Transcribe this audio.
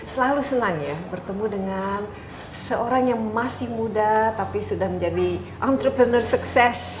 selalu senang ya bertemu dengan seorang yang masih muda tapi sudah menjadi entrepreneur sukses